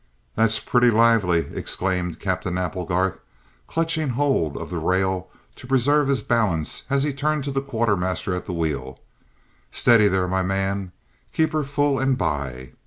"That's pretty lively," exclaimed Captain Applegarth, clutching hold of the rail to preserve his balance as he turned to the quartermaster at the wheel. "Steady there, my man! Keep her full and by!"